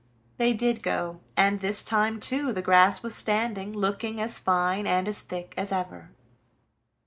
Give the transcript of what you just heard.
They did go, and this time too the grass was standing, looking as fine and as thick as ever.